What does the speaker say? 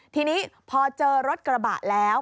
ทีนี้พอเจอรถกระบะแล้ว